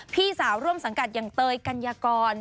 พี่สาวร่วมสังกัดอย่างเตยกัญญากร